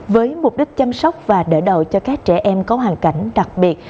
với mục đích chăm sóc và đỡ đầu cho các trẻ em có hoàn cảnh đặc biệt